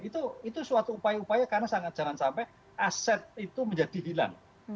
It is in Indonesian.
itu suatu upaya upaya karena sangat jangan sampai aset itu menjadi hilang